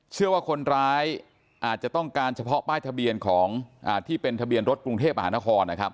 เชื่อว่าคนร้ายอาจจะต้องการเฉพาะป้ายทะเบียนของที่เป็นทะเบียนรถกรุงเทพมหานครนะครับ